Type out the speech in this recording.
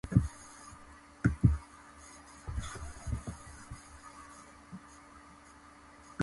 王妃は私がすっかりお気に入りで、私がいないと食事も召し上らないほどになりました。私は王妃の食卓の上に、